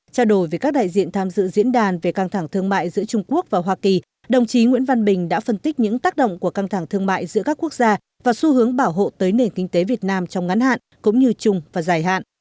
trả lời về các đại diện tham dự diễn đàn về căng thẳng thương mại giữa trung quốc và hoa kỳ đồng chí nguyễn văn bình đã phân tích những tác động của căng thẳng thương mại giữa các quốc gia và xu hướng bảo hộ tới nền kinh tế việt nam trong ngắn hạn cũng như chung và dài hạn